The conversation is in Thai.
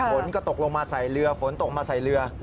ฝนก็ตกลงมาใส่เรือฝนตกมาใส่เรือ